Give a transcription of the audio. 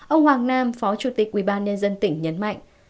ông hoàng nam phó chủ tịch ubnd tỉnh nhấn mạnh